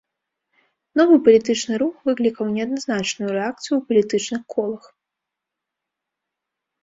Новы палітычны рух выклікаў неадназначную рэакцыю ў палітычных колах.